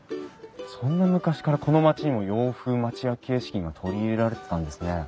そんな昔からこの町にも洋風町屋形式が取り入れられてたんですね。